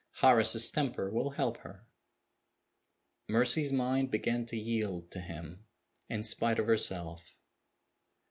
Horace's temper will help her." Mercy's mind began to yield to him, in spite of herself.